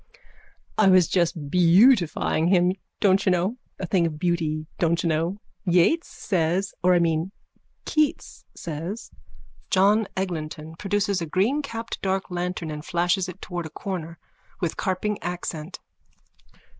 _ I was just beautifying him, don't you know. A thing of beauty, don't you know, Yeats says, or I mean, Keats says. JOHN EGLINTON: _(Produces a greencapped dark lantern and flashes it towards a corner: with carping accent.)